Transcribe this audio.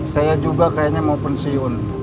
saya juga kayaknya mau pensiun